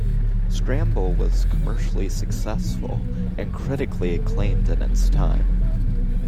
"Scramble" was commercially successful and critically acclaimed in its time.